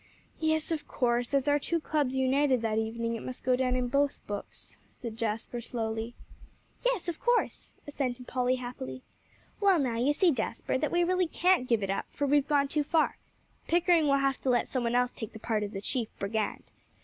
"Yes, of course; as our two clubs united that evening, it must go down in both books," said Jasper slowly. "Yes, of course," assented Polly happily. "Well, now, you see, Jasper, that we really can't give it up, for we've gone too far. Pickering will have to let some one else take the part of the chief brigand."